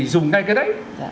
dùng ngay cái đấy